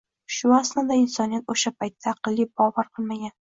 Shu asnoda insoniyat o‘sha paytda aqli bovar qilmagan